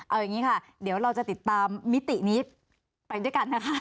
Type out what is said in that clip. เอาอย่างนี้ค่ะเดี๋ยวเราจะติดตามมิตินี้ไปด้วยกันนะคะ